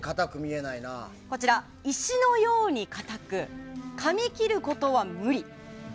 こちら、石のようにかたくかみ切ることは無理。